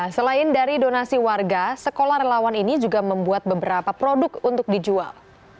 selain dari donasi warga sekolah relawan ini juga membuat beberapa produk untuk dijual